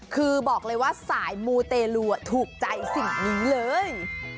คือบอกเลยว่าสายมูเตลูถูกใจสิ่งนี้เลย